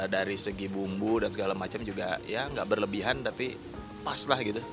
dari segi bumbu dan segala macam juga ya gak berlebihan tapi pas lah gitu rasanya